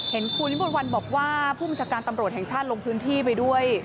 เห็นคุณวิมวลวันบอกว่าผู้บัญชาการตำรวจแห่งชาติลงพื้นที่ไปด้วย